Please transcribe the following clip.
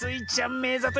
めざとい！